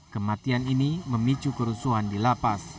kematian ini memicu kerusuhan di lapas